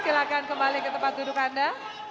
silahkan kembali ke tempat duduk anda